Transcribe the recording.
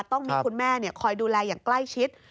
ต้องมีคุณแม่คอยดูแลอย่างใกล้ชิด